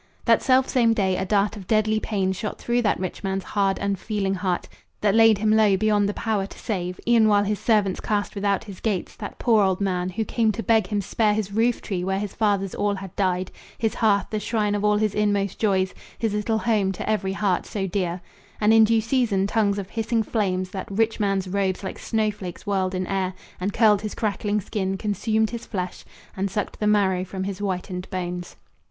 That selfsame day a dart of deadly pain Shot through that rich man's hard, unfeeling heart, That laid him low, beyond the power to save, E'en while his servants cast without his gates That poor old man, who came to beg him spare His roof tree, where his fathers all had died, His hearth, the shrine of all his inmost joys, His little home, to every heart so dear; And in due season tongues of hissing flames That rich man's robes like snowflakes whirled in air, And curled his crackling skin, consumed his flesh, And sucked the marrow from his whitened bones.